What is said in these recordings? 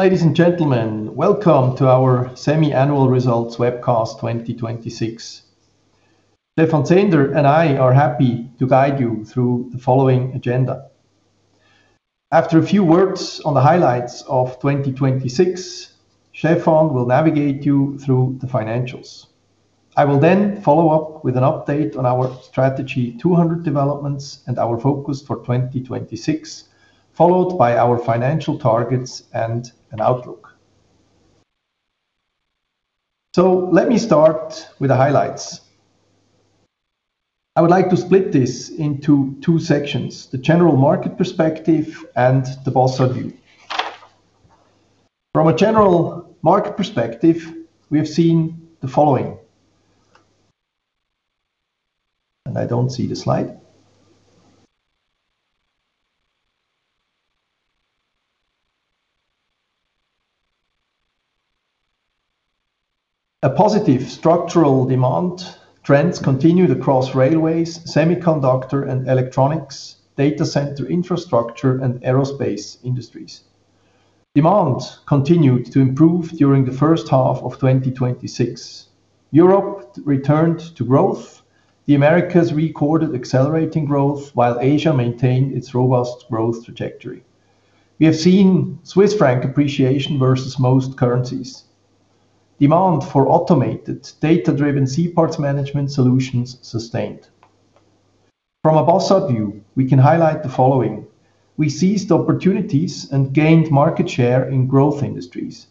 Ladies and gentlemen, welcome to our semi-annual results webcast 2026. Stephan Zehnder and I are happy to guide you through the following agenda. After a few words on the highlights of 2026, Stephan will navigate you through the financials. I will follow up with an update on our Strategy 200 developments and our focus for 2026, followed by our financial targets and an outlook. Let me start with the highlights. I would like to split this into two sections, the general market perspective and the Bossard view. From a general market perspective, we have seen the following. I don't see the slide. A positive structural demand trends continued across railways, semiconductor and electronics, data center infrastructure, and aerospace industries. Demand continued to improve during the first half of 2026. Europe returned to growth. The Americas recorded accelerating growth, while Asia maintained its robust growth trajectory. We have seen Swiss franc appreciation versus most currencies. Demand for automated data-driven C-parts management solutions sustained. From a Bossard view, we can highlight the following. We seized opportunities and gained market share in growth industries.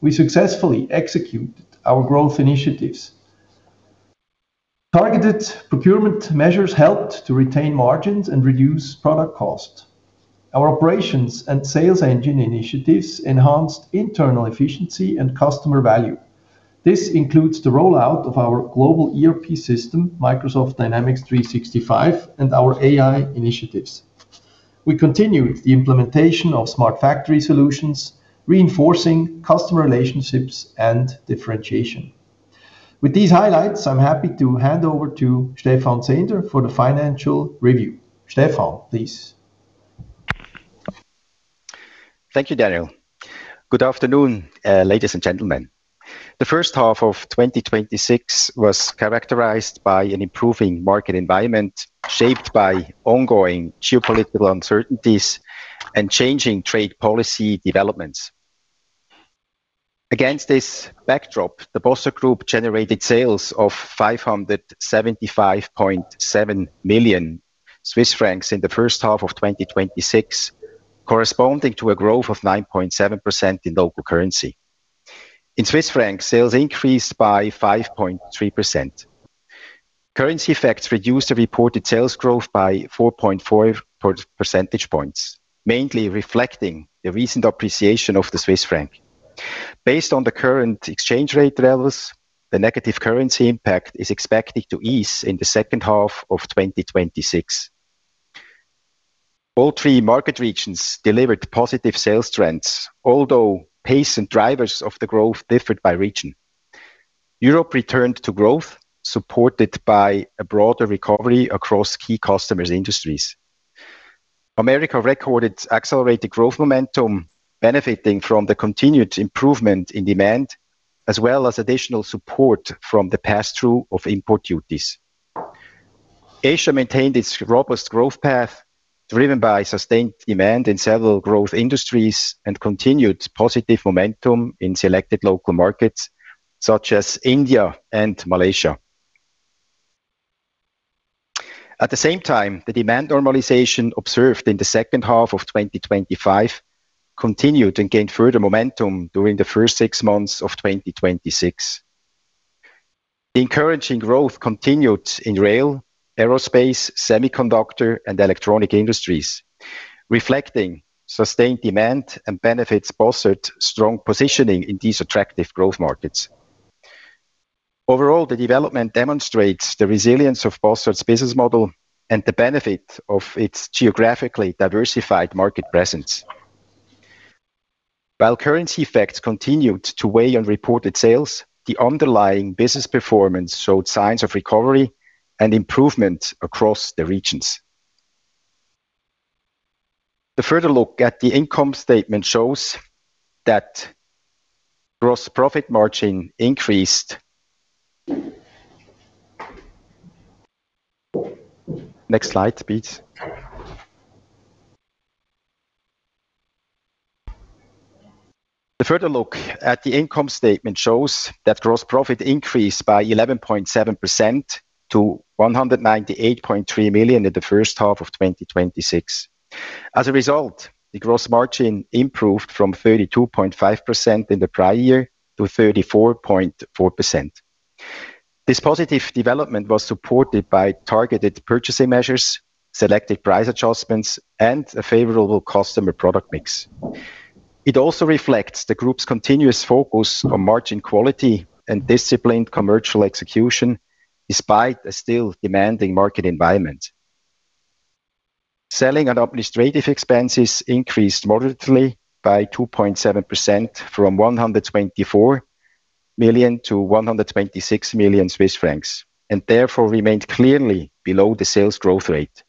We successfully executed our growth initiatives. Targeted procurement measures helped to retain margins and reduce product cost. Our Operations Engine and Sales Engine initiatives enhanced internal efficiency and customer value. This includes the rollout of our global ERP system, Microsoft Dynamics 365, and our AI initiatives. We continue the implementation of Smart Factory solutions, reinforcing customer relationships and differentiation. With these highlights, I'm happy to hand over to Stephan Zehnder for the financial review. Stephan, please. Thank you, Daniel. Good afternoon, ladies and gentlemen. The first half of 2026 was characterized by an improving market environment shaped by ongoing geopolitical uncertainties and changing trade policy developments. Against this backdrop, the Bossard Group generated sales of 575.7 million Swiss francs in the first half of 2026, corresponding to a growth of 9.7% in local currency. In CHF, sales increased by 5.3%. Currency effects reduced the reported sales growth by 4.4 percentage points, mainly reflecting the recent appreciation of the Swiss franc. Based on the current exchange rate levels, the negative currency impact is expected to ease in the second half of 2026. All three market regions delivered positive sales trends, although pace and drivers of the growth differed by region. Europe returned to growth, supported by a broader recovery across key customers' industries. America recorded accelerated growth momentum, benefiting from the continued improvement in demand, as well as additional support from the passthrough of import duties. Asia maintained its robust growth path, driven by sustained demand in several growth industries and continued positive momentum in selected local markets, such as India and Malaysia. At the same time, the demand normalization observed in the second half of 2025 continued and gained further momentum during the first six months of 2026. The encouraging growth continued in rail, aerospace, semiconductor, and electronic industries, reflecting sustained demand and benefits Bossard's strong positioning in these attractive growth markets. Overall, the development demonstrates the resilience of Bossard's business model and the benefit of its geographically diversified market presence. While currency effects continued to weigh on reported sales, the underlying business performance showed signs of recovery and improvement across the regions. The further look at the income statement shows that gross profit margin increased. Next slide, please. The further look at the income statement shows that gross profit increased by 11.7% to 198.3 million in the first half of 2026. As a result, the gross margin improved from 32.5% in the prior year to 34.4%. This positive development was supported by targeted purchasing measures, selected price adjustments, and a favorable customer product mix. It also reflects the group's continuous focus on margin quality and disciplined commercial execution, despite a still demanding market environment. Selling and administrative expenses increased moderately by 2.7% from 124 million-126 million Swiss francs, and therefore remained clearly below the sales growth rate.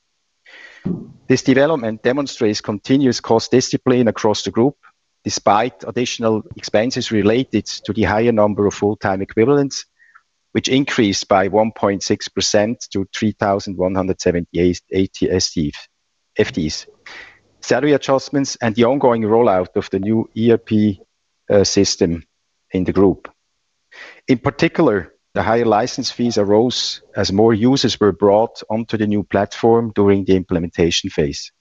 This development demonstrates continuous cost discipline across the group, despite additional expenses related to the higher number of full-time equivalents, which increased by 1.6% to 3,178 FTEs, salary adjustments, and the ongoing rollout of the new ERP system in the group. In particular, the higher license fees arose as more users were brought onto the new platform during the implementation phase.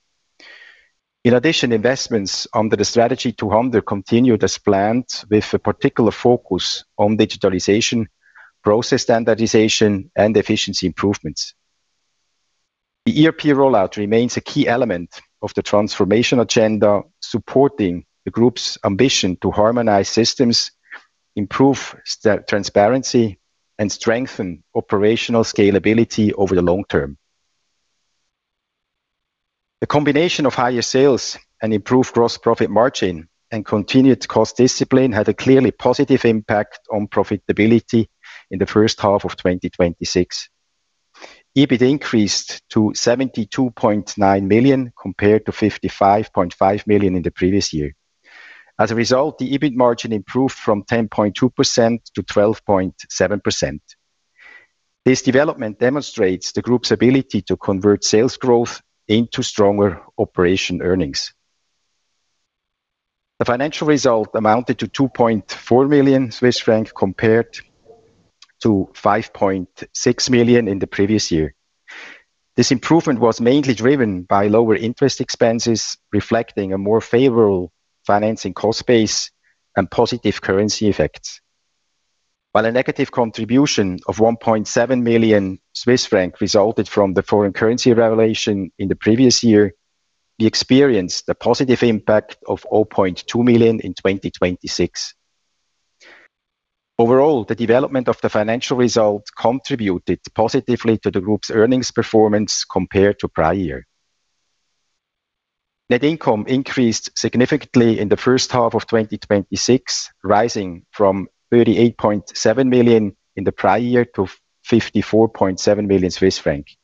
In addition, investments under the Strategy 200 continued as planned, with a particular focus on digitalization, process standardization, and efficiency improvements. The ERP rollout remains a key element of the transformation agenda, supporting the group's ambition to harmonize systems, improve transparency, and strengthen operational scalability over the long term. The combination of higher sales and improved gross profit margin and continued cost discipline had a clearly positive impact on profitability in the first half of 2026. EBIT increased to 72.9 million, compared to 55.5 million in the previous year. As a result, the EBIT margin improved from 10.2% to 12.7%. This development demonstrates the group's ability to convert sales growth into stronger operating earnings. The financial result amounted to 2.4 million Swiss francs compared to 5.6 million in the previous year. This improvement was mainly driven by lower interest expenses, reflecting a more favorable financing cost base and positive currency effects. While a negative contribution of 1.7 million Swiss francs resulted from the foreign currency revaluation in the previous year, we experienced a positive impact of 200,000 in 2026. Overall, the development of the financial result contributed positively to the group's earnings performance compared to prior year. Net income increased significantly in the first half of 2026, rising from 38.7 million in the prior year to 54.7 million Swiss franc.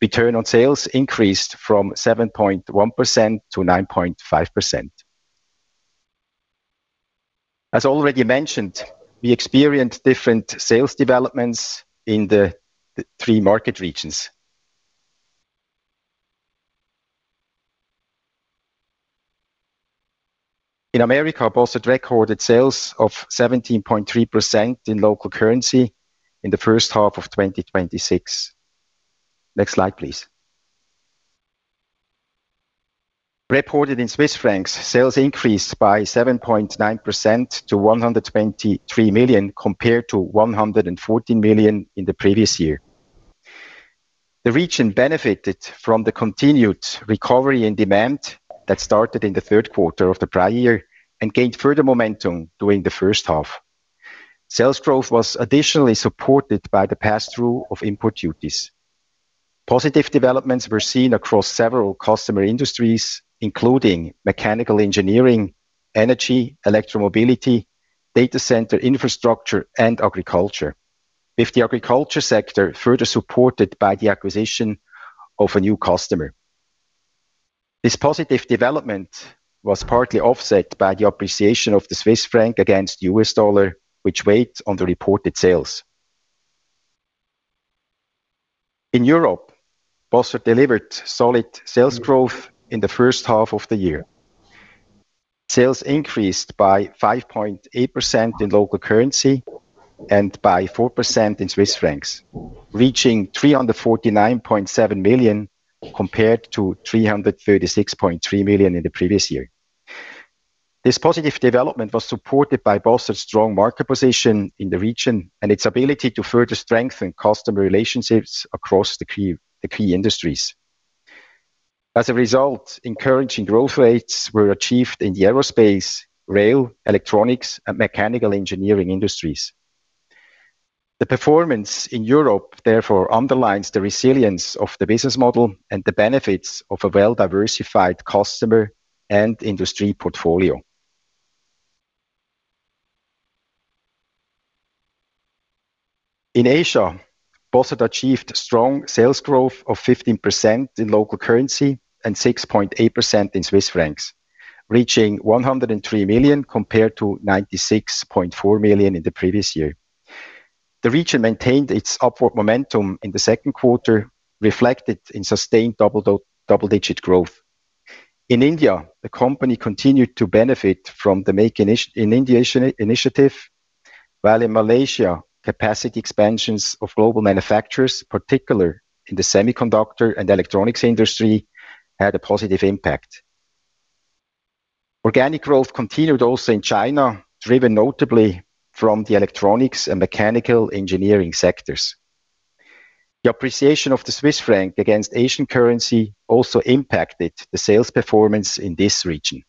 Return on sales increased from 7.1%-9.5%. As already mentioned, we experienced different sales developments in the three market regions. In America, Bossard recorded sales of 17.3% in local currency in the first half of 2026. Next slide, please. Reported in CHF, sales increased by 7.9% to 123 million, compared to 114 million in the previous year. The region benefited from the continued recovery in demand that started in the third quarter of the prior year and gained further momentum during the first half. Sales growth was additionally supported by the pass-through of import duties. Positive developments were seen across several customer industries, including mechanical engineering, energy, electro-mobility, data center infrastructure, and agriculture, with the agriculture sector further supported by the acquisition of a new customer. This positive development was partly offset by the appreciation of the CHF against the U.S. dollar, which weighed on the reported sales. In Europe, Bossard delivered solid sales growth in the first half of the year. Sales increased by 5.8% in local currency and by 4% in CHF, reaching 349.7 million Swiss francs, compared to 336.3 million in the previous year. This positive development was supported by Bossard's strong market position in the region and its ability to further strengthen customer relationships across the key industries. As a result, encouraging growth rates were achieved in the aerospace, rail, electronics, and mechanical engineering industries. The performance in Europe therefore underlines the resilience of the business model and the benefits of a well-diversified customer and industry portfolio. In Asia, Bossard achieved strong sales growth of 15% in local currency and 6.8% in CHF, reaching 103 million Swiss francs compared to 96.4 million in the previous year. The region maintained its upward momentum in the second quarter, reflected in sustained double-digit growth. In India, the company continued to benefit from the Make in India initiative, while in Malaysia, capacity expansions of global manufacturers, particularly in the semiconductor and electronics industry, had a positive impact. Organic growth continued also in China, driven notably from the electronics and mechanical engineering sectors. The appreciation of the Swiss franc against Asian currency also impacted the sales performance in this region.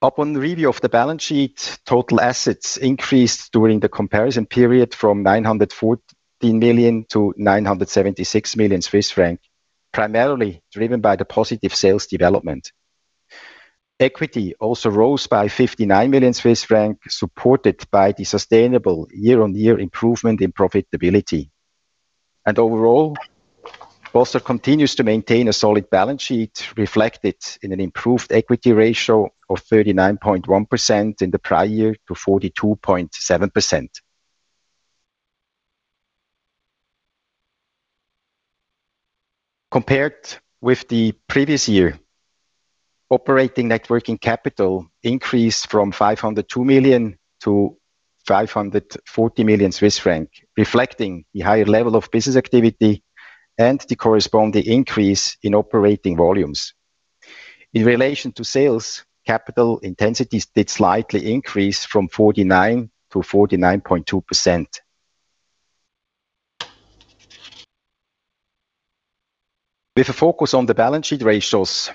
Upon review of the balance sheet, total assets increased during the comparison period from 914 million to 976 million Swiss franc, primarily driven by the positive sales development. Equity also rose by 59 million Swiss francs, supported by the sustainable year-on-year improvement in profitability. Overall, Bossard continues to maintain a solid balance sheet, reflected in an improved equity ratio of 39.1% in the prior year to 42.7%. Compared with the previous year, operating net working capital increased from 502 million to 540 million Swiss franc, reflecting the higher level of business activity and the corresponding increase in operating volumes. In relation to sales, capital intensity did slightly increase from 49%- 49.2%. With a focus on the balance sheet ratios,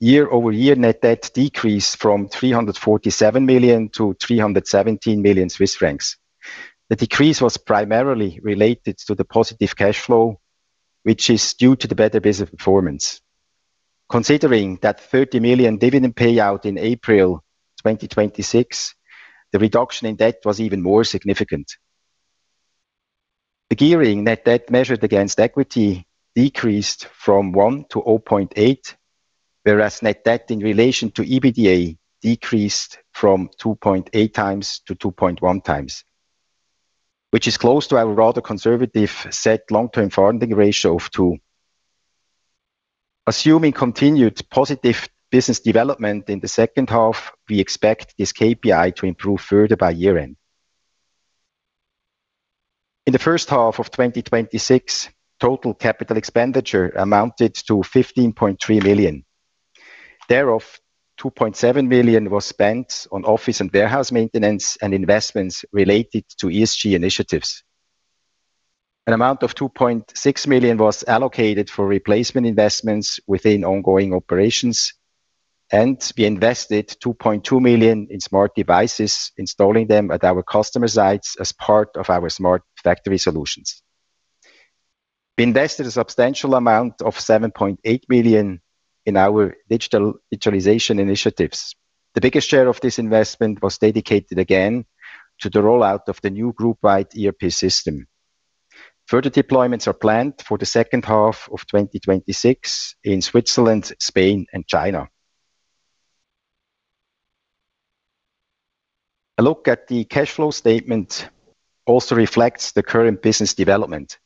year-over-year net debt decreased from 347 million to 317 million Swiss francs. The decrease was primarily related to the positive cash flow, which is due to the better business performance. Considering that 30 million dividend payout in April 2026, the reduction in debt was even more significant. The gearing net debt measured against equity decreased from 1 to 0.8, whereas net debt in relation to EBITDA decreased from 2.8x to 2.1x, which is close to our rather conservative set long-term funding ratio of 2x. Assuming continued positive business development in the second half, we expect this KPI to improve further by year-end. In the first half of 2026, total CAPEX amounted to 15.3 million. Thereof, 2.7 million was spent on office and warehouse maintenance, and investments related to ESG initiatives. An amount of 2.6 million was allocated for replacement investments within ongoing operations, and we invested 2.2 million in smart devices, installing them at our customer sites as part of our Smart Factory solutions. We invested a substantial amount of 7.8 million in our digitalization initiatives. The biggest share of this investment was dedicated again to the rollout of the new groupwide ERP system. Further deployments are planned for the second half of 2026 in Switzerland, Spain, and China. A look at the cash flow statement also reflects the current business development.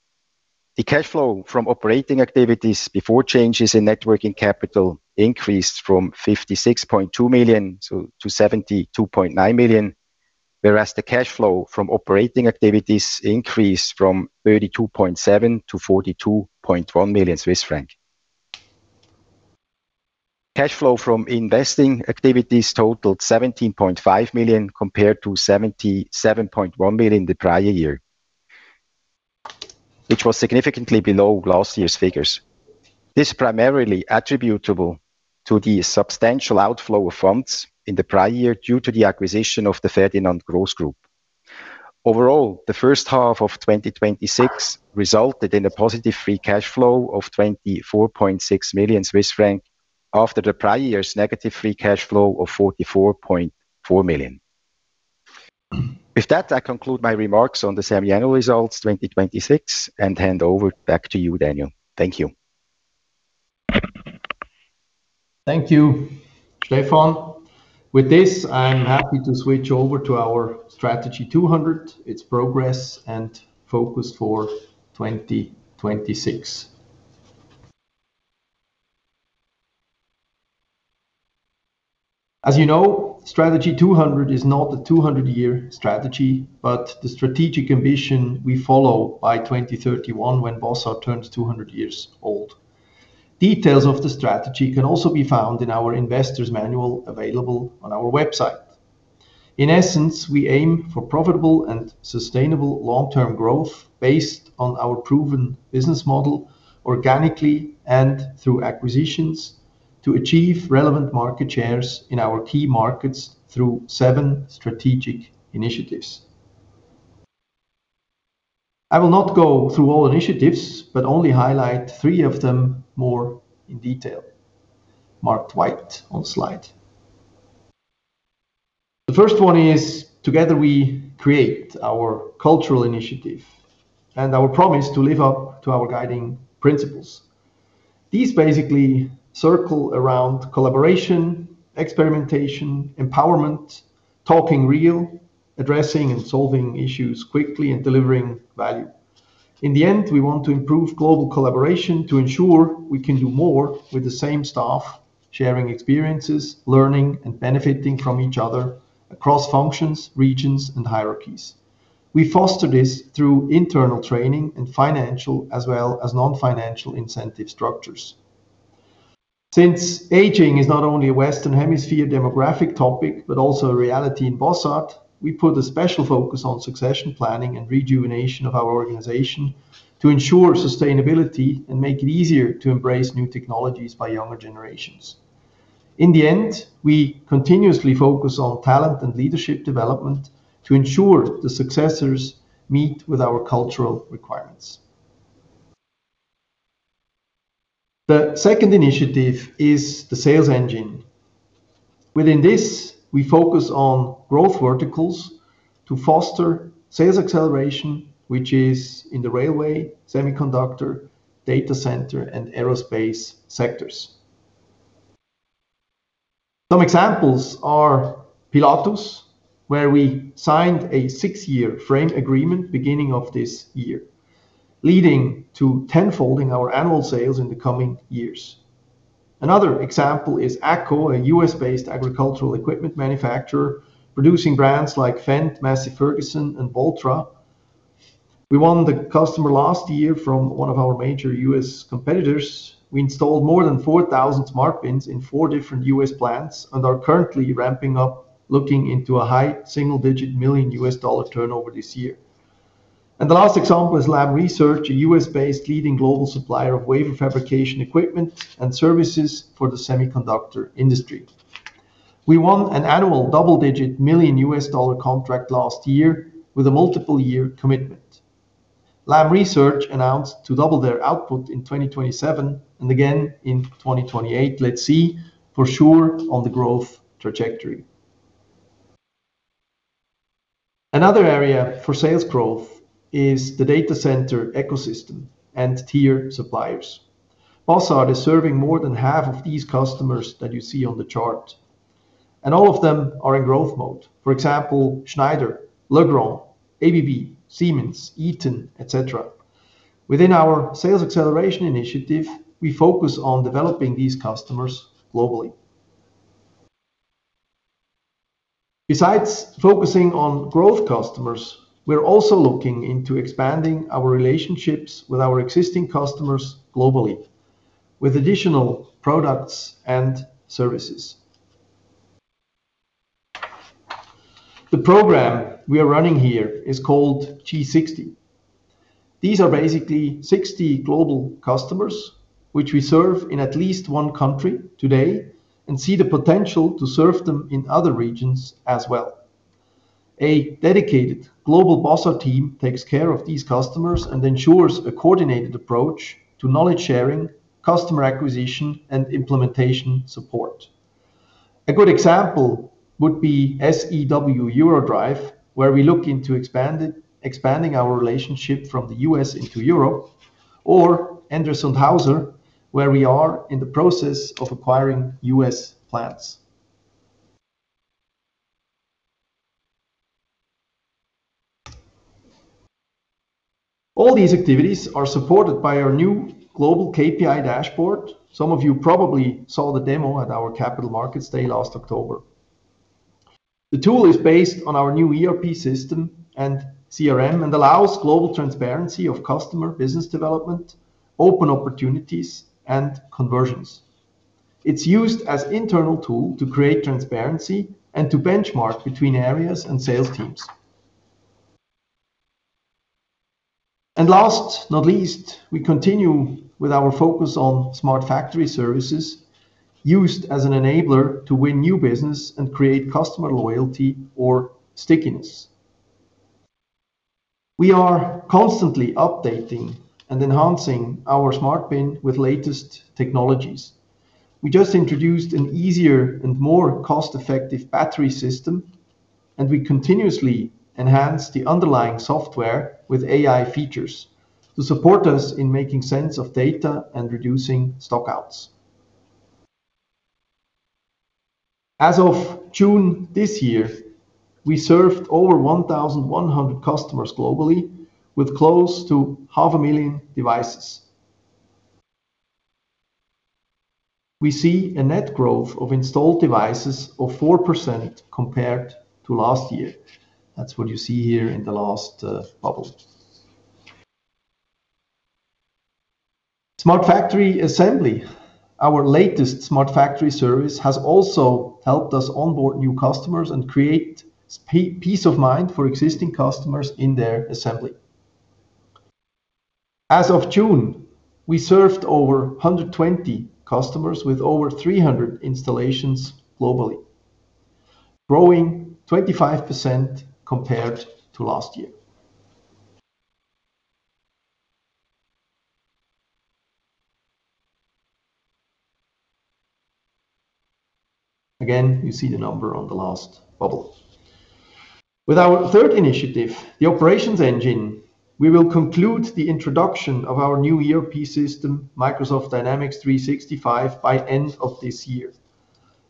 The cash flow from operating activities before changes in net working capital increased from 56.2 million-72.9 million, whereas the cash flow from operating activities increased from 32.7 million-42.1 million Swiss franc. Cash flow from investing activities totaled 17.5 million compared to 77.1 million the prior year, which was significantly below last year's figures. This is primarily attributable to the substantial outflow of funds in the prior year due to the acquisition of the Ferdinand Gross Group. Overall, the first half of 2026 resulted in a positive free cash flow of 24.6 million Swiss franc after the prior year's negative free cash flow of 44.4 million. With that, I conclude my remarks on the semi-annual results 2026. Hand over back to you, Daniel. Thank you. Thank you, Stephan. With this, I'm happy to switch over to our Strategy 200, its progress and focus for 2026. As you know, Strategy 200 is not a 200-year strategy, but the strategic ambition we follow by 2031, when Bossard turns 200 years old. Details of the strategy can also be found in our investors manual available on our website. In essence, we aim for profitable and sustainable long-term growth based on our proven business model, organically and through acquisitions, to achieve relevant market shares in our key markets through seven strategic initiatives. I will not go through all initiatives, but only highlight three of them more in detail, marked white on slide. The first one is, Together We Create, our cultural initiative, our promise to live up to our guiding principles. These basically circle around collaboration, experimentation, empowerment, talking real, addressing and solving issues quickly, and delivering value. In the end, we want to improve global collaboration to ensure we can do more with the same staff, sharing experiences, learning and benefiting from each other across functions, regions, and hierarchies. We foster this through internal training and financial as well as non-financial incentive structures. Since aging is not only a Western Hemisphere demographic topic, but also a reality in Bossard, we put a special focus on succession planning and rejuvenation of our organization to ensure sustainability and make it easier to embrace new technologies by younger generations. In the end, we continuously focus on talent and leadership development to ensure the successors meet with our cultural requirements. The second initiative is the Sales Engine. Within this, we focus on growth verticals to foster sales acceleration, which is in the railway, semiconductor, data center, and aerospace sectors. Some examples are Pilatus, where we signed a six-year frame agreement beginning of this year, leading to 10-folding our annual sales in the coming years. Another example is AGCO, a U.S.-based agricultural equipment manufacturer producing brands like Fendt, Massey Ferguson, and Valtra. We won the customer last year from one of our major U.S. competitors. We installed more than 4,000 SmartBins in four different U.S. plants, and are currently ramping up, looking into a high single-digit million U.S. dollar turnover this year. The last example is Lam Research, a U.S.-based leading global supplier of wafer fabrication equipment and services for the semiconductor industry. We won an annual double-digit million U.S. dollar contract last year with a multiple-year commitment. Lam Research announced to double their output in 2027 and again in 2028. Let's see for sure on the growth trajectory. Another area for sales growth is the data center ecosystem and tier suppliers. Bossard is serving more than half of these customers that you see on the chart, and all of them are in growth mode. For example, Schneider, Legrand, ABB, Siemens, Eaton, et cetera. Within our sales acceleration initiative, we focus on developing these customers globally. Besides focusing on growth customers, we're also looking into expanding our relationships with our existing customers globally with additional products and services. The program we are running here is called G60. These are basically 60 global customers, which we serve in at least one country today and see the potential to serve them in other regions as well. A dedicated global Bossard team takes care of these customers and ensures a coordinated approach to knowledge sharing, customer acquisition, and implementation support. A good example would be SEW-EURODRIVE, where we look into expanding our relationship from the U.S. into Europe, or Endress+Hauser, where we are in the process of acquiring U.S. plants. All these activities are supported by our new global KPI dashboard. Some of you probably saw the demo at our Capital Markets Day last October. The tool is based on our new ERP system and CRM and allows global transparency of customer business development, open opportunities, and conversions. It's used as internal tool to create transparency and to benchmark between areas and sales teams. Last but not least, we continue with our focus on Smart Factory services, used as an enabler to win new business and create customer loyalty or stickiness. We are constantly updating and enhancing our SmartBin with latest technologies. We just introduced an easier and more cost-effective battery system, and we continuously enhance the underlying software with AI features to support us in making sense of data and reducing stock-outs. As of June this year, we served over 1,100 customers globally with close to 500,000 Devices. We see a net growth of installed devices of 4% compared to last year. That's what you see here in the last bubble. Smart Factory Assembly, our latest Smart Factory service, has also helped us onboard new customers and create peace of mind for existing customers in their assembly. As of June, we served over 120 customers with over 300 installations globally, growing 25% compared to last year. Again, you see the number on the last bubble. With our third initiative, the Operations Engine, we will conclude the introduction of our new ERP system, Microsoft Dynamics 365, by end of this year.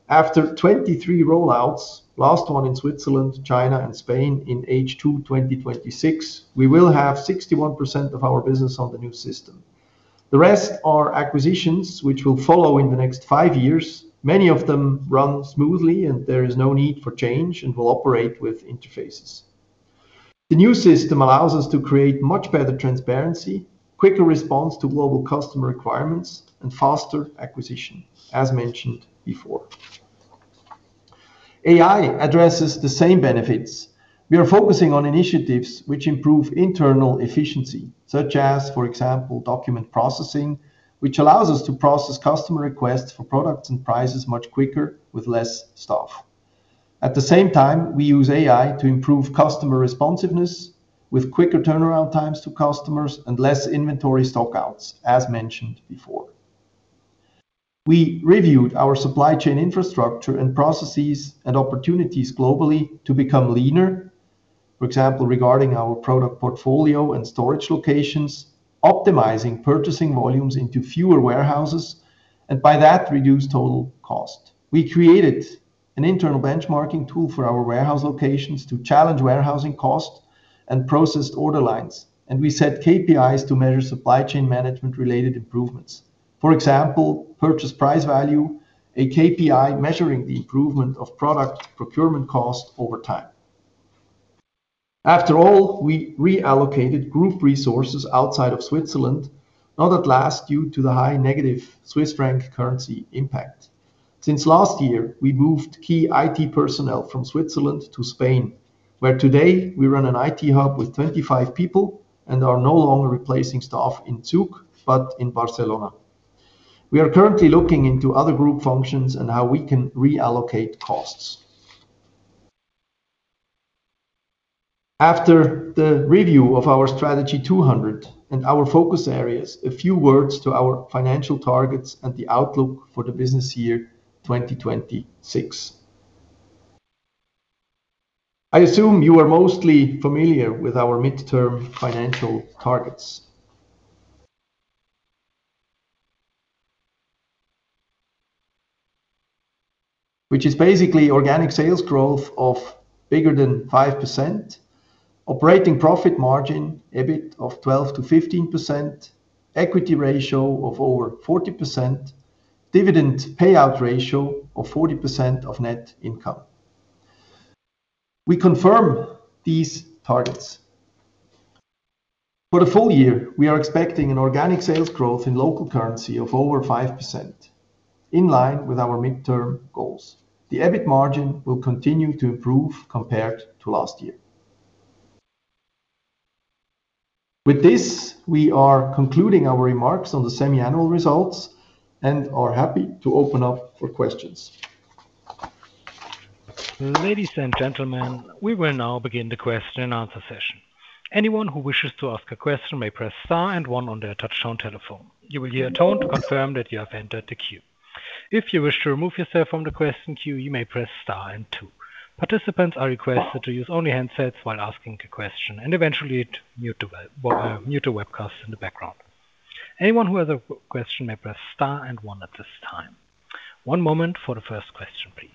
After 23 rollouts, last one in Switzerland, China, and Spain in H2 2026, we will have 61% of our business on the new system. The rest are acquisitions which will follow in the next five years. Many of them run smoothly, and there is no need for change and will operate with interfaces. The new system allows us to create much better transparency, quicker response to global customer requirements, and faster acquisition, as mentioned before. AI addresses the same benefits. We are focusing on initiatives which improve internal efficiency, such as, for example, document processing, which allows us to process customer requests for products and prices much quicker with less staff. At the same time, we use AI to improve customer responsiveness with quicker turnaround times to customers and less inventory stock-outs, as mentioned before. We reviewed our supply chain infrastructure and processes and opportunities globally to become leaner. For example, regarding our product portfolio and storage locations, optimizing purchasing volumes into fewer warehouses, and by that, reduce total cost. We created an internal benchmarking tool for our warehouse locations to challenge warehousing cost and processed order lines, and we set KPIs to measure supply chain management-related improvements. For example, purchase price variance, a KPI measuring the improvement of product procurement cost over time. After all, we reallocated Group resources outside of Switzerland, not at last due to the high negative CHF currency impact. Since last year, we moved key IT personnel from Switzerland to Spain, where today we run an IT hub with 25 people and are no longer replacing staff in Zug, but in Barcelona. We are currently looking into other Group functions and how we can reallocate costs. After the review of our Strategy 200 and our focus areas, a few words to our financial targets and the outlook for the business year 2026. I assume you are mostly familiar with our midterm financial targets, which is basically organic sales growth of bigger than 5%, operating profit margin, EBIT of 12%-15%, equity ratio of over 40%, dividend payout ratio of 40% of net income. We confirm these targets. For the full year, we are expecting an organic sales growth in local currency of over 5%, in line with our midterm goals. The EBIT margin will continue to improve compared to last year. With this, we are concluding our remarks on the semi-annual results and are happy to open up for questions. Ladies and gentlemen, we will now begin the question-and-answer session. Anyone who wishes to ask a question may press star and one on their touchtone telephone. You will hear a tone to confirm that you have entered the queue. If you wish to remove yourself from the question queue, you may press star and two. Participants are requested to use only handsets while asking a question, and eventually mute the webcast in the background. Anyone who has a question may press star and one at this time. One moment for the first question, please.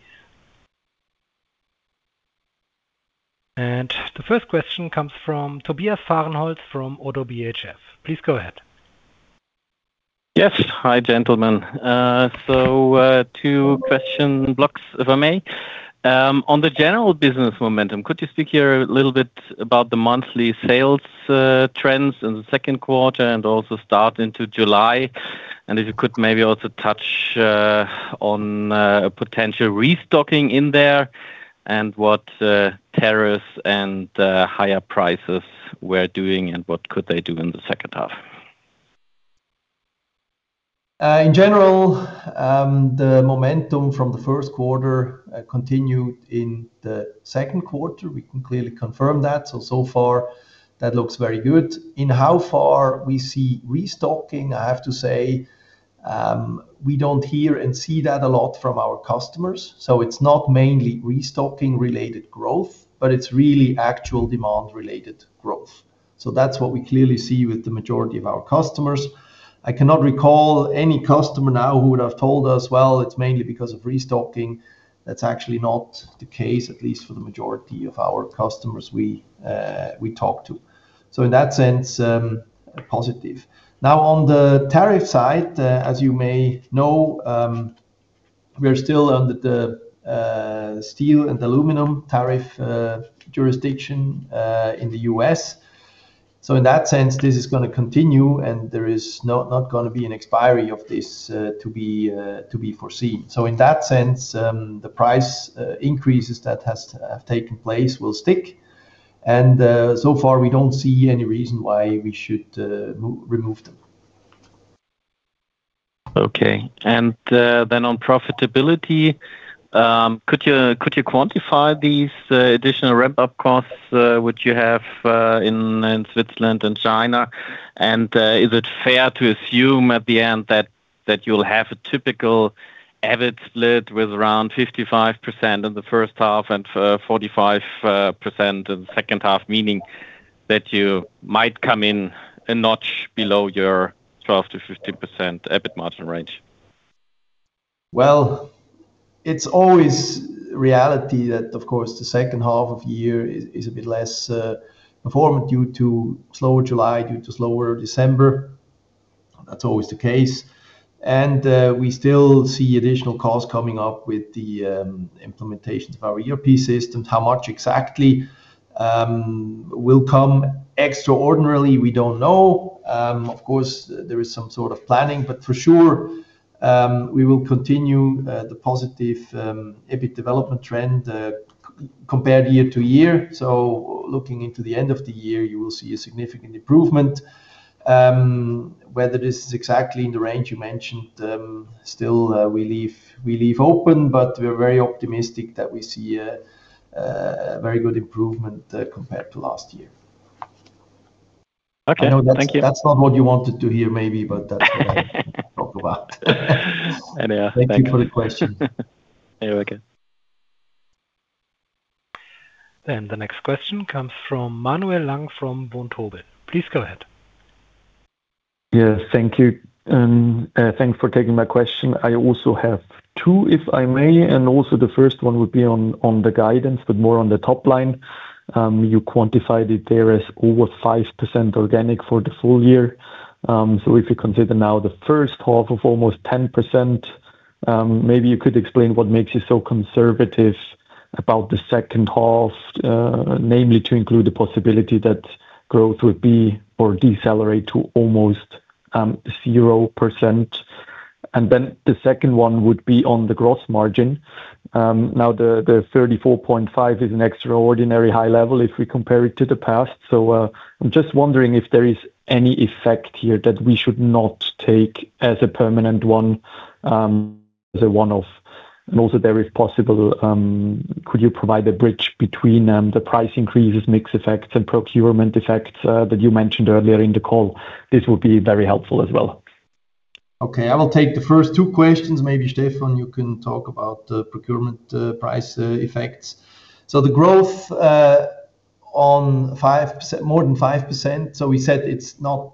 The first question comes from Tobias Fahrenholz from ODDO BHF. Please go ahead. Yes. Hi, gentlemen. Two question blocks, if I may. On the general business momentum, could you speak here a little bit about the monthly sales trends in the second quarter and also start into July? If you could maybe also touch on potential restocking in there and what tariffs and higher prices were doing, and what could they do in the second half? In general, the momentum from the first quarter continued in the second quarter. We can clearly confirm that. So far that looks very good. In how far we see restocking, I have to say, we don't hear and see that a lot from our customers. It's not mainly restocking-related growth, but it's really actual demand-related growth. That's what we clearly see with the majority of our customers. I cannot recall any customer now who would have told us, "Well, it's mainly because of restocking." That's actually not the case, at least for the majority of our customers we talk to. In that sense, positive. Now, on the tariff side, as you may know, we are still under the steel and aluminum tariff jurisdiction, in the U.S. In that sense, this is going to continue, there is not going to be an expiry of this to be foreseen. In that sense, the price increases that have taken place will stick, so far we don't see any reason why we should remove them. Okay. Then on profitability, could you quantify these additional ramp-up costs which you have in Switzerland and China? Is it fair to assume at the end that you will have a typical EBIT split with around 55% in the first half and 45% in the second half, meaning that you might come in a notch below your 12%-15% EBIT margin range? It's always reality that, of course, the second half of the year is a bit less performant due to slow July, due to slower December. That's always the case. We still see additional costs coming up with the implementations of our ERP systems. How much exactly will come extraordinarily, we don't know. Of course, there is some sort of planning, but for sure, we will continue the positive EBIT development trend compared year-to-year. Looking into the end of the year, you will see a significant improvement. Whether this is exactly in the range you mentioned, we leave open, but we are very optimistic that we see a very good improvement compared to last year. Okay. Thank you. I know that's not what you wanted to hear maybe, that's what I can talk about. Thank you. Thank you for the question. You're welcome. The next question comes from Manuel Lang from Vontobel. Please go ahead. Yes. Thank you, and thanks for taking my question. I also have two, if I may, the first one would be on the guidance, but more on the top line. You quantified it there as over 5% organic for the full year. If you consider now the first half of almost 10%, maybe you could explain what makes you so conservative about the second half, namely to include the possibility that growth would be or decelerate to almost 0%. The second one would be on the gross margin. Now the 34.5% is an extraordinary high level if we compare it to the past. I'm just wondering if there is any effect here that we should not take as a permanent one, as- also there, if possible, could you provide a bridge between the price increases, mix effects, and procurement effects that you mentioned earlier in the call? This would be very helpful as well. Okay, I will take the first two questions. Maybe Stephan, you can talk about the procurement price effects. The growth on more than 5%. We said it's more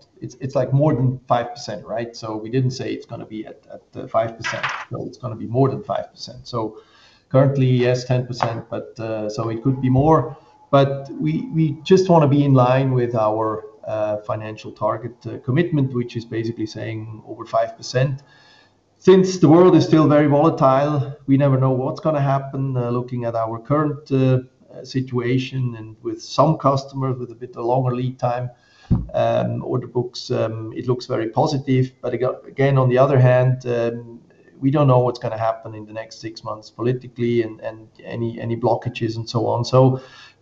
than 5%, right? We didn't say it's going to be at the 5%, it's going to be more than 5%. Currently, yes, 10%, it could be more, but we just want to be in line with our financial target commitment, which is basically saying over 5%. Since the world is still very volatile, we never know what's going to happen. Looking at our current situation and with some customers with a bit longer lead time, order books, it looks very positive. But again, on the other hand, we don't know what's going to happen in the next six months politically and any blockages and so on.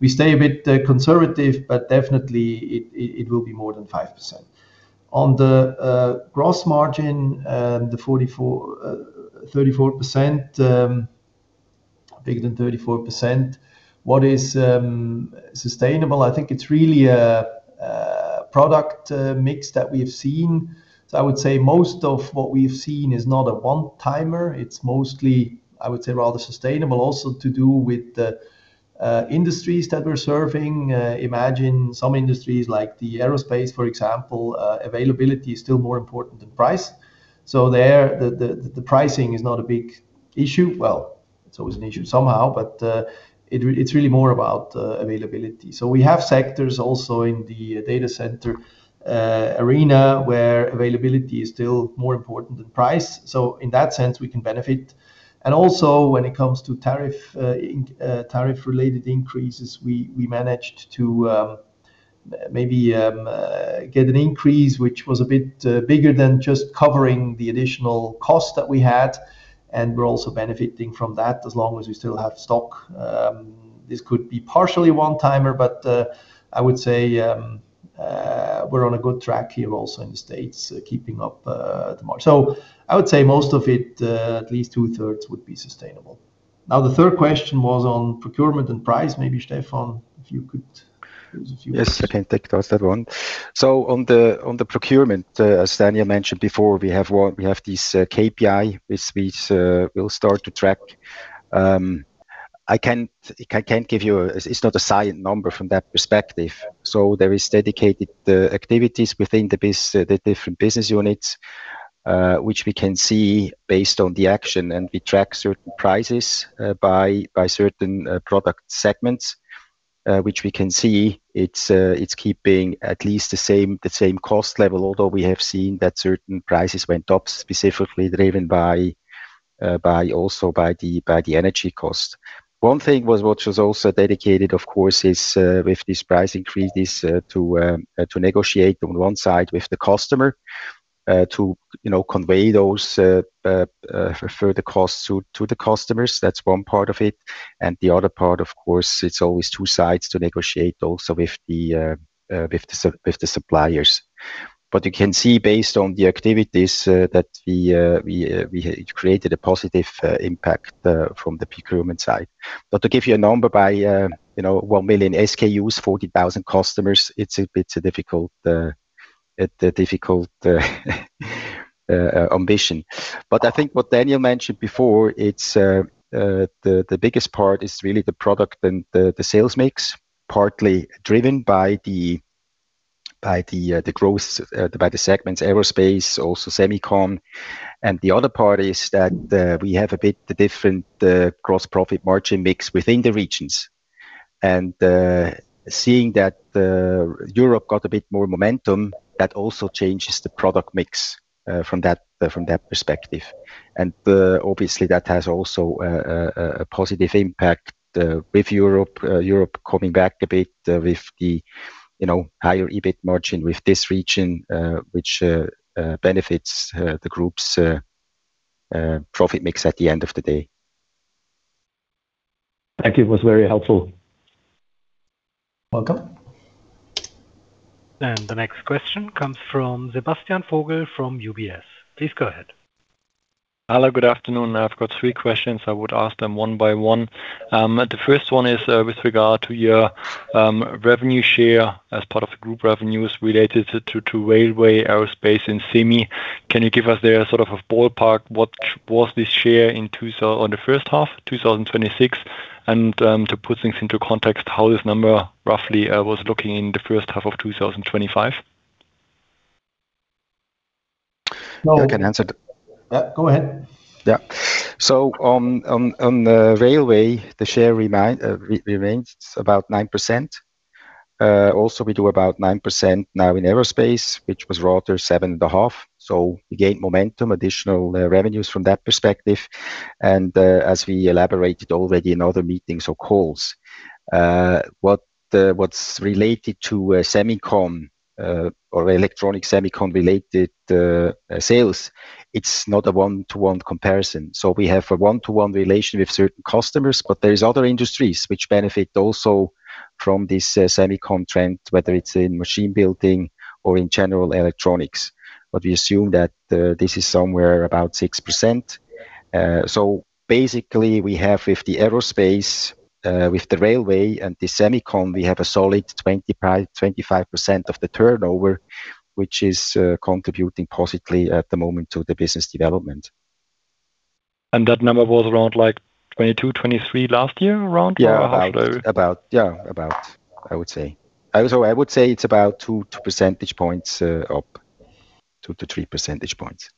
We stay a bit conservative, but definitely it will be more than 5%. On the gross margin, the bigger than 34%. What is sustainable? I think it's really a product mix that we've seen. I would say most of what we've seen is not a one-timer. It's mostly, I would say, rather sustainable also to do with the industries that we're serving. Imagine some industries, like the aerospace, for example, availability is still more important than price. There, the pricing is not a big issue. Well, it's always an issue somehow, but it's really more about availability. We have sectors also in the data center arena where availability is still more important than price. In that sense, we can benefit. also when it comes to tariff-related increases, we managed to maybe get an increase, which was a bit bigger than just covering the additional cost that we had, and we're also benefiting from that as long as we still have stock. This could be partially a one-timer, but I would say we're on a good track here also in the States, keeping up the margin. I would say most of it, at least two thirds would be sustainable. Now, the third question was on procurement and price. Maybe Stephan, if you could give us a few words. Yes, I can take that one. On the procurement, as Daniel mentioned before, we have this KPI which we'll start to track. It's not a silent number from that perspective. There is dedicated activities within the different business units, which we can see based on the action. We track certain prices by certain product segments, which we can see it's keeping at least the same cost level, although we have seen that certain prices went up, specifically driven also by the energy cost. One thing was what was also dedicated, of course, is with these price increases to negotiate on one side with the customer to convey those further costs to the customers. That's one part of it. The other part, of course, it's always two sides to negotiate also with the suppliers. You can see based on the activities that it created a positive impact from the procurement side. To give you a number by 1 million SKUs, 40,000 customers, it's a bit a difficult ambition. I think what Daniel mentioned before, the biggest part is really the product and the sales mix, partly driven by the segments aerospace, also semicon. The other part is that we have a bit different gross profit margin mix within the regions. Seeing that Europe got a bit more momentum, that also changes the product mix from that perspective. Obviously, that has also a positive impact with Europe coming back a bit with the higher EBIT margin with this region, which benefits the group's profit mix at the end of the day. Thank you. It was very helpful. Welcome. The next question comes from Sebastian Vogel from UBS. Please go ahead. Hello, good afternoon. I've got three questions. I would ask them one by one. The first one is with regard to your revenue share as part of the group revenues related to railway, aerospace, and semi. Can you give us there a ballpark, what was this share on the first half 2026? To put things into context, how this number roughly was looking in the first half of 2025? No- I can answer. Yeah, go ahead. Yeah. On the railway, the share remained about 9%. Also, we do about 9% now in aerospace, which was rather 7.5%. We gained momentum, additional revenues from that perspective. As we elaborated already in other meetings or calls, what's related to semicon or electronic semicon-related sales, it's not a one-to-one comparison. We have a one-to-one relation with certain customers, but there is other industries which benefit also from this semicon trend, whether it's in machine building or in general electronics. We assume that this is somewhere about 6%. Basically, we have, with the aerospace, with the railway, and the semicon, we have a solid 25% of the turnover, which is contributing positively at the moment to the business development. That number was around like 22%, 23% last year around? Yeah. About, I would say. I would say it's about two percentage points up. Two to three percentage points.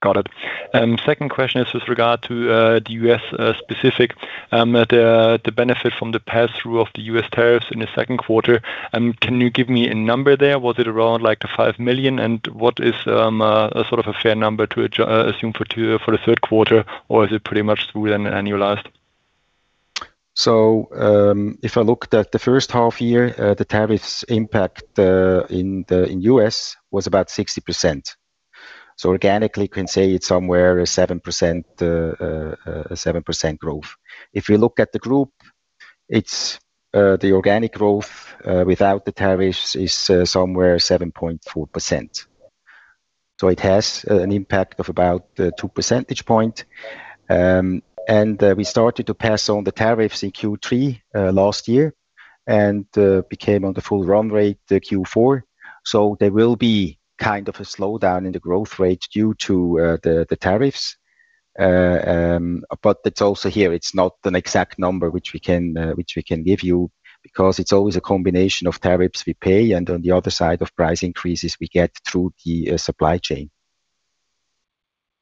Got it. Second question is with regard to the U.S. specific, the benefit from the pass-through of the U.S. tariffs in the second quarter. Can you give me a number there? Was it around the $5 million? What is a fair number to assume for the third quarter, or is it pretty much through and annualized? If I looked at the first half year, the tariffs impact in U.S. was about 60%. Organically, you can say it's somewhere 7% growth. If we look at the group, the organic growth without the tariffs is somewhere 7.4%. It has an impact of about two percentage point. We started to pass on the tariffs in Q3 last year and became on the full run rate Q4. There will be kind of a slowdown in the growth rate due to the tariffs. It's also here, it's not an exact number which we can give you because it's always a combination of tariffs we pay and on the other side of price increases we get through the supply chain.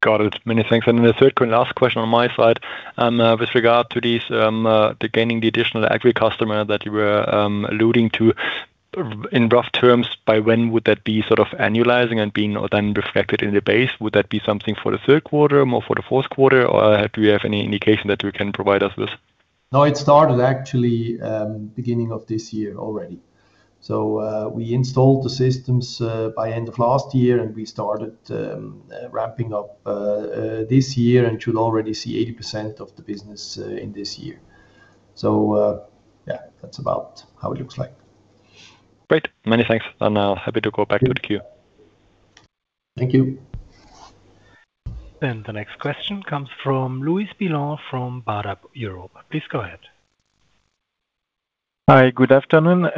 Got it. Many thanks. The third and last question on my side, with regard to these, the gaining the additional agri customer that you were alluding to. In rough terms, by when would that be annualizing and being then reflected in the base? Would that be something for the third quarter, more for the fourth quarter, or do you have any indication that you can provide us with? No, it started actually beginning of this year already. We installed the systems by end of last year, and we started ramping up this year and should already see 80% of the business in this year. Yeah, that's about how it looks like. Great. Many thanks. Now happy to go back to the queue. Thank you. The next question comes from Louis Billon from Baird Europe. Please go ahead. Hi. Good afternoon,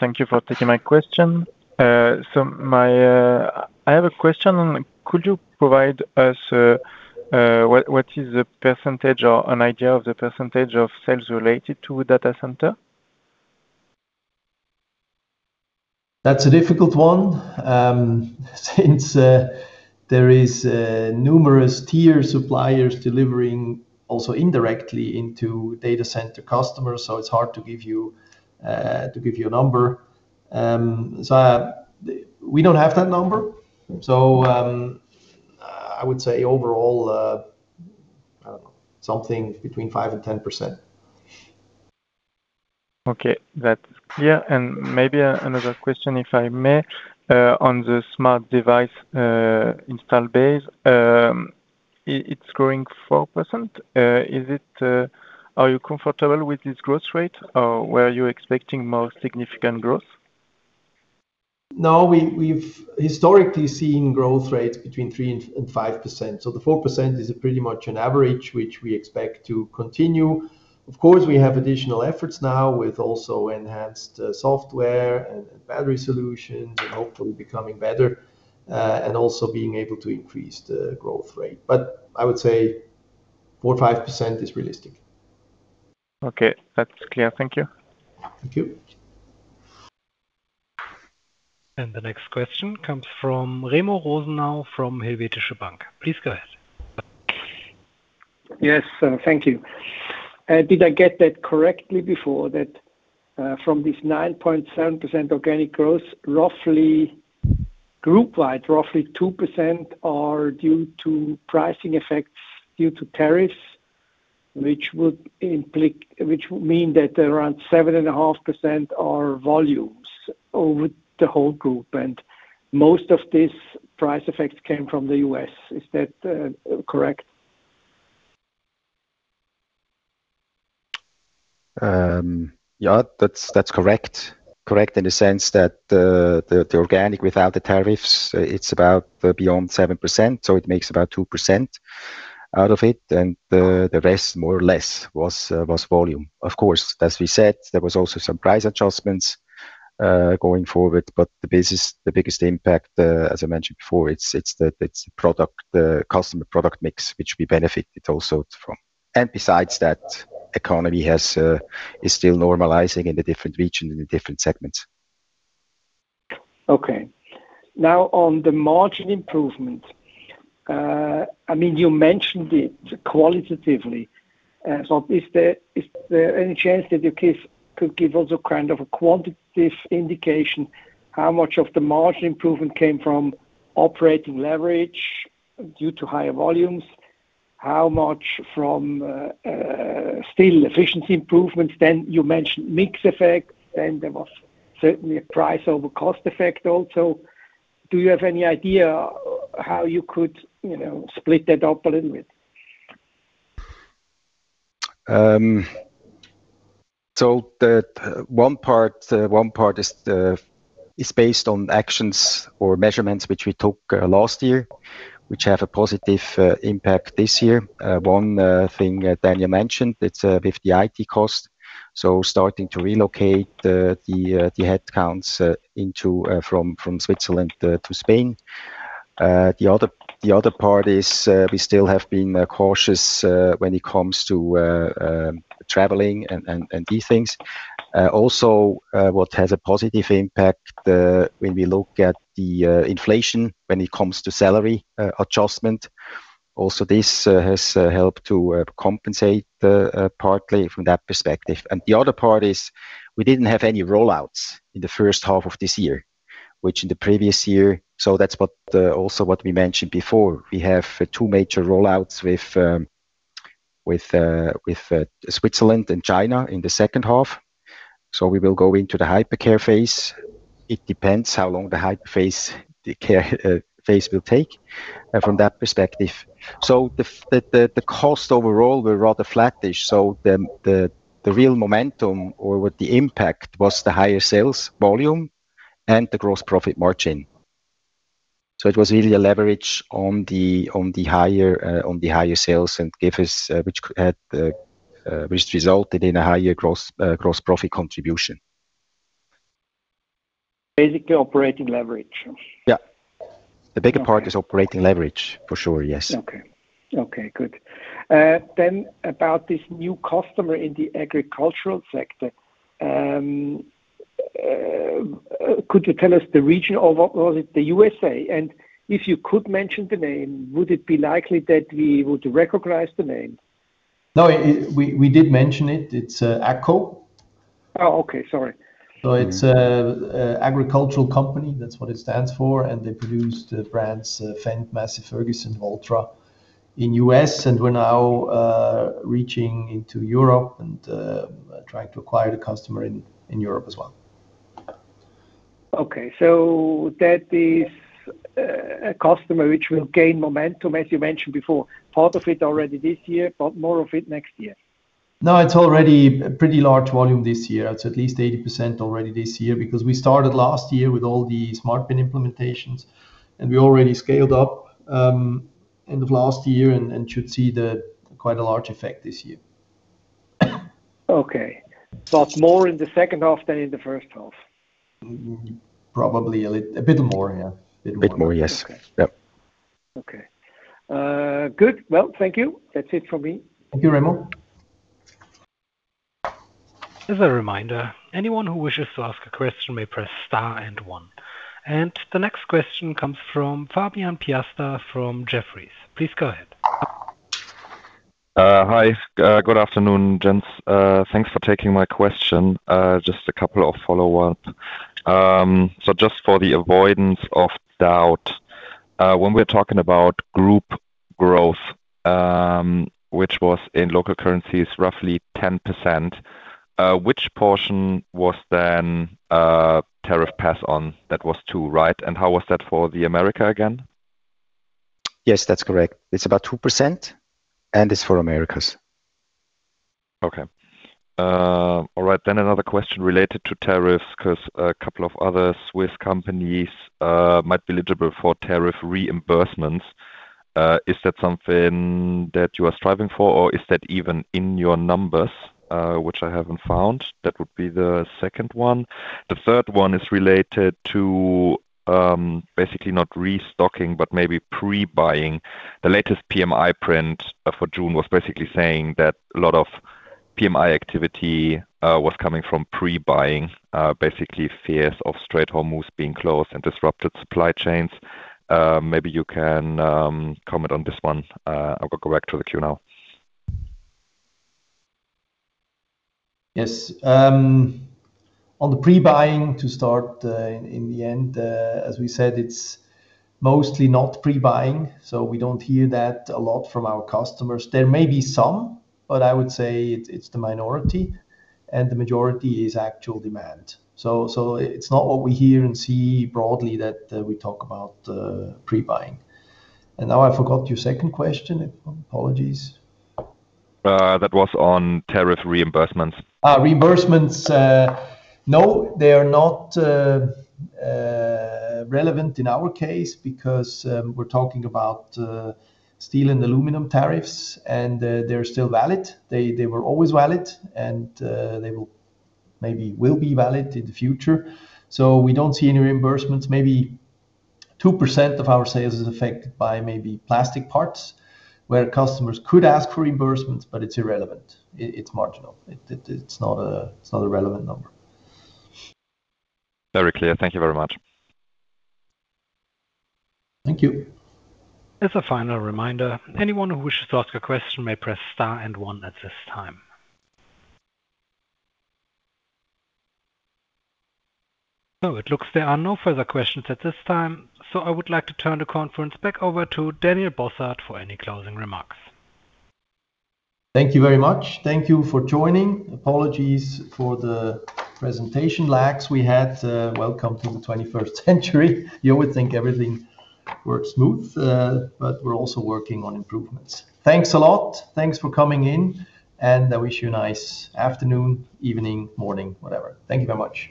thank you for taking my question. I have a question on, could you provide us, what is the percentage or an idea of the percentage of sales related to data center? That's a difficult one. Since there is numerous tier suppliers delivering also indirectly into data center customers, it's hard to give you a number. We don't have that number. I would say overall, I don't know, something between 5%-10%. Okay. That's clear. Maybe another question, if I may, on the smart device install base. It's growing four percent. Are you comfortable with this growth rate, or were you expecting more significant growth? We've historically seen growth rates between 3%-5%. The 4% is pretty much an average, which we expect to continue. Of course, we have additional efforts now with also enhanced software and battery solutions and hopefully becoming better, and also being able to increase the growth rate. I would say 4%-5% is realistic. Okay. That's clear. Thank you. Thank you. The next question comes from Remo Rosenau from Helvetische Bank. Please go ahead. Yes. Thank you. Did I get that correctly before that from this 9.7% organic growth, roughly group-wide, roughly 2% are due to pricing effects due to tariffs, which would mean that around 7.5% are volume. Over the whole group, most of this price effect came from the U.S. Is that correct? Yeah, that's correct. Correct in the sense that the organic without the tariffs, it's about beyond 7%, so it makes about 2% out of it, and the rest, more or less, was volume. Of course, as we said, there was also some price adjustments, going forward, but the biggest impact, as I mentioned before, it's the customer product mix, which we benefited also from. Besides that, economy is still normalizing in the different regions and the different segments. Okay. Now, on the margin improvement. You mentioned it qualitatively. Is there any chance that you could give also a quantitative indication how much of the margin improvement came from operating leverage due to higher volumes, how much from still efficiency improvements? You mentioned mix effects, then there was certainly a price over cost effect also. Do you have any idea how you could split that up a little bit? The one part is based on actions or measurements which we took last year, which have a positive impact this year. One thing Daniel mentioned, it's with the IT cost. Starting to relocate the headcounts from Switzerland to Spain. The other part is, we still have been cautious when it comes to traveling and these things. What has a positive impact, when we look at the inflation when it comes to salary adjustment. This has helped to compensate partly from that perspective. The other part is we didn't have any roll-outs in the first half of this year, which in the previous year, that's also what we mentioned before, we have two major roll-outs with Switzerland and China in the second half. We will go into the hypercare phase. It depends how long the hypercare phase will take from that perspective. The cost overall were rather flattish, the real momentum or what the impact was the higher sales volume and the gross profit margin. It was really a leverage on the higher sales. Which resulted in a higher gross profit contribution. Basically operating leverage. Yeah. The bigger part is operating leverage, for sure. Yes. Okay. Good. About this new customer in the agricultural sector. Could you tell us the region or was it the U.S.? If you could mention the name, would it be likely that we would recognize the name? No, we did mention it. It's AGCO. Oh, okay. Sorry. It's a agricultural company. That's what it stands for. They produce the brands Fendt, Massey Ferguson, Valtra in U.S. We're now reaching into Europe and trying to acquire the customer in Europe as well. Okay. That is a customer which will gain momentum, as you mentioned before, part of it already this year, but more of it next year. No, it's already a pretty large volume this year. It's at least 80% already this year because we started last year with all the SmartBin implementations, and we already scaled up end of last year and should see quite a large effect this year. Okay. More in the second half than in the first half. Probably a little, a bit more, yeah. A bit more. A bit more, yes. Yep. Okay. Good. Well, thank you. That's it from me. Thank you, Remo. As a reminder, anyone who wishes to ask a question may press star and one. The next question comes from Fabian Piasta from Jefferies. Please go ahead. Hi. Good afternoon, gents. Thanks for taking my question. Just a couple of follow-ups. Just for the avoidance of doubt, when we're talking about group growth, which was in local currencies, roughly 10%, which portion was then tariff pass on? That was two, right? And how was that for the Americas again? Yes, that's correct. It's about 2%. It's for Americas. Okay. All right. Another question related to tariffs, because a couple of other Swiss companies might be eligible for tariff reimbursements. Is that something that you are striving for, or is that even in your numbers, which I haven't found? That would be the second one. The third one is related to, basically not restocking, but maybe pre-buying. The latest PMI print for June was basically saying that a lot of PMI activity was coming from pre-buying. Basically fears of straight home moves being closed and disrupted supply chains. Maybe you can comment on this one. I will go back to the queue now. Yes. On the pre-buying to start, in the end, as we said, it's mostly not pre-buying, so we don't hear that a lot from our customers. There may be some, but I would say it's the minority, and the majority is actual demand. It's not what we hear and see broadly that we talk about pre-buying. Now I forgot your second question. Apologies. That was on tariff reimbursements. Reimbursements. No, they are not relevant in our case because we're talking about steel and aluminum tariffs, and they're still valid. They were always valid, and they maybe will be valid in the future. We don't see any reimbursements. Maybe 2% of our sales is affected by maybe plastic parts where customers could ask for reimbursements, but it's irrelevant. It's marginal. It's not a relevant number. Very clear. Thank you very much. Thank you. As a final reminder, anyone who wishes to ask a question may press star and one at this time. It looks there are no further questions at this time. I would like to turn the conference back over to Daniel Bossard for any closing remarks. Thank you very much. Thank you for joining. Apologies for the presentation lags we had. Welcome to the 21st century. You would think everything works smooth, but we're also working on improvements. Thanks a lot. Thanks for coming in, and I wish you a nice afternoon, evening, morning, whatever. Thank you very much.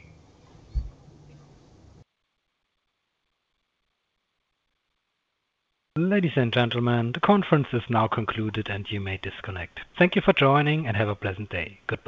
Ladies and gentlemen, the conference is now concluded, and you may disconnect. Thank you for joining, and have a pleasant day. Goodbye.